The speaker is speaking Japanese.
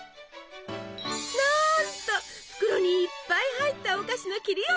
なんと袋にいっぱい入ったお菓子の切り落とし！